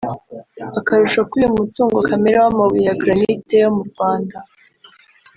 Akarusho k’uyu mutungo kamere w’amabuye ya Granite yo mu Rwanda